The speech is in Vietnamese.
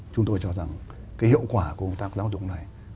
chúng tôi cho rằng cái hiệu quả của công tác giáo dục này